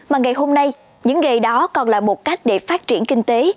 mà ngày hôm nay những nghề đó còn là một cách để phát triển kinh tế